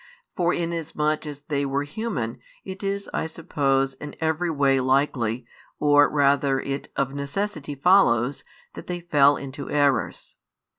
For, inasmuch as they were human, it is I suppose in every way likely or rather it of necessity follows that they fell into errors.